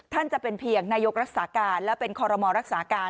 จะเป็นเพียงนายกรักษาการและเป็นคอรมอรักษาการ